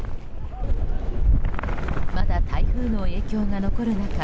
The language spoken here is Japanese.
まだ台風の影響が残る中